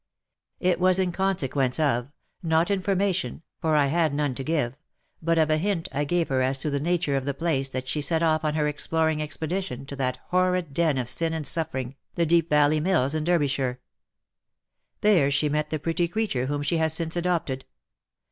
It was in consequence of — not information, for I had none to give — but of a hint I gave her as to the nature of the place, that she set off on her exploring expedition to that horrid den of sin and suffer ing, the Deep Valley Mills, in Derbyshire. There she met the pretty creature whom she has since adopted.